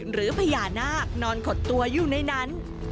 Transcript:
หรือพญานาคนอนขดตัวอยู่ในนั้น